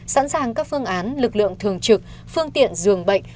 sẵn sàng các phương án lực lượng thường trực phương tiện giường bệnh